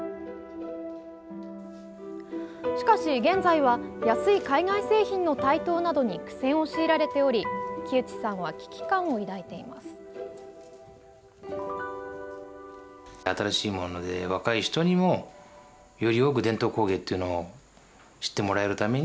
しかし現在は、安い海外製品の台頭などに苦戦を強いられており木内さんは危機感を抱いています。